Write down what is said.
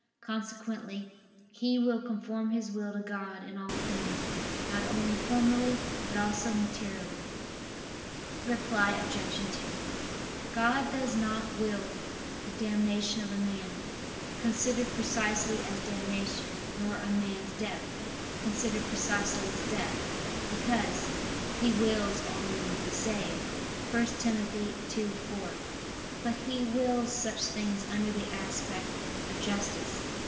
Consequently he will conform his will to God in all things not only formally, but also materially. Reply Obj. 2: God does not will the damnation of a man, considered precisely as damnation, nor a man's death, considered precisely as death, because, "He wills all men to be saved" (1 Tim. 2:4); but He wills such things under the aspect of justice.